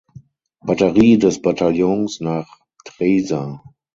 Batterie des Bataillons nach Treysa.